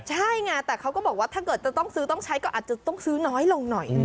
ใช่ไงแต่เขาก็บอกว่าถ้าเกิดจะต้องซื้อต้องใช้ก็อาจจะต้องซื้อน้อยลงหน่อย